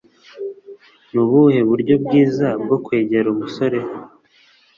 Nubuhe buryo bwiza bwo kwegera umusore?